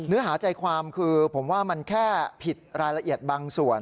เนื้อหาใจความคือผมว่ามันแค่ผิดรายละเอียดบางส่วน